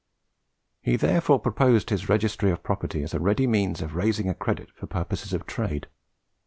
He therefore proposed his registry of property as a ready means of raising a credit for purposes of trade.